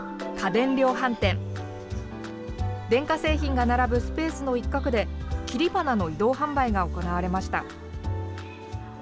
電化製品が並ぶスペースの一角で切り花の移動販売が行われました。